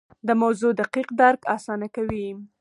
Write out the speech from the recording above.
د موضوع دقیق درک اسانه کوي.